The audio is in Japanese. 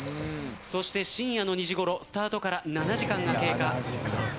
そして深夜の２時ごろスタートから７時間が経過。